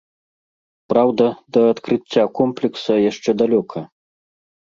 Праўда, да адкрыцця комплекса яшчэ далёка.